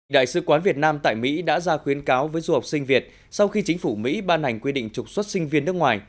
đại sứ quán việt nam tại mỹ đã ra khuyến cáo với du học sinh việt sau khi chính phủ mỹ ban hành quy định trục xuất sinh viên nước ngoài